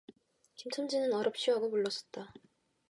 김첨지는 어랍쇼 하고 물러섰다.